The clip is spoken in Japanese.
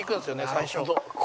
最初。